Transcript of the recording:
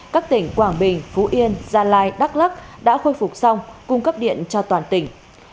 các tỉnh quảng bình phú yên gia lai đắk lắc đã khôi phục xong cung cấp điện cho toàn tỉnh